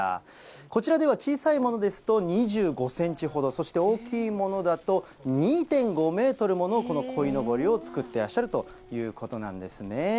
こちらでは小さいものですと、２５センチほど、そして大きいものだと２．５メートルものこのこいのぼりを作ってらっしゃるということなんですね。